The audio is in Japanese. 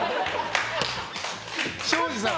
庄司さん。